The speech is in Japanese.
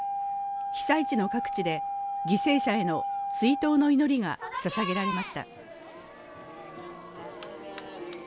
被災地の各地で犠牲者への追悼の祈りがささげられました。